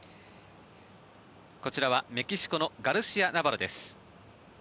こちらはメキシコのガルシア・ナバロです。